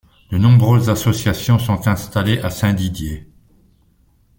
De nombreuses associations sont installées à Saint-Didier.